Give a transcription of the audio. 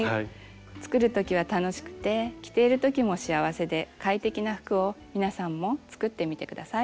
作るときは楽しくて着ているときも幸せで快適な服を皆さんも作ってみて下さい。